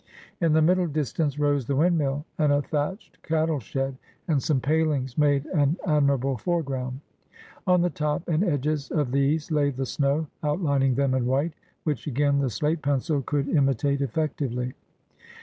In the middle distance rose the windmill, and a thatched cattle shed and some palings made an admirable foreground. On the top and edges of these lay the snow, outlining them in white, which again the slate pencil could imitate effectively.